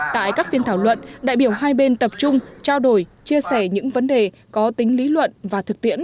tại các phiên thảo luận đại biểu hai bên tập trung trao đổi chia sẻ những vấn đề có tính lý luận và thực tiễn